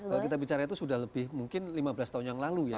kalau kita bicara itu sudah lebih mungkin lima belas tahun yang lalu ya